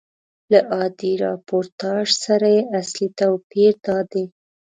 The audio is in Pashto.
له عادي راپورتاژ سره یې اصلي توپیر دادی.